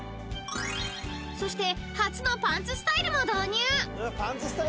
［そして初のパンツスタイルも導入］